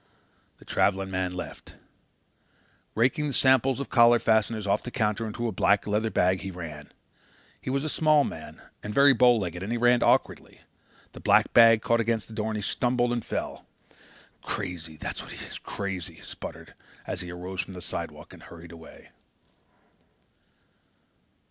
The traveling man left. Raking the samples of collar fasteners off the counter into a black leather bag, he ran. He was a small man and very bow legged and he ran awkwardly. The black bag caught against the door and he stumbled and fell. "Crazy, that's what he is—crazy!" he sputtered as he arose from the sidewalk and hurried away.